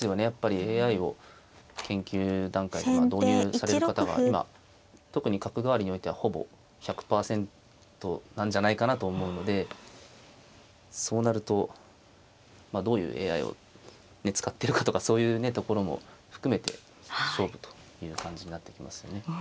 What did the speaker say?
やっぱりＡＩを研究段階で導入される方が今特に角換わりにおいてはほぼ１００％なんじゃないかなと思うのでそうなるとまあどういうＡＩを使ってるかとかそういうねところも含めて勝負という感じになってきますよね。